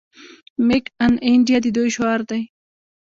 میک ان انډیا د دوی شعار دی.